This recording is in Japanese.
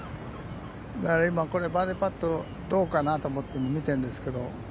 今、バーディーパットどうかなと思って見てるんですけど。